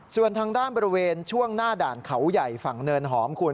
ส่วนทางด้านบริเวณช่วงหน้าด่านเขาใหญ่ฝั่งเนินหอมคุณ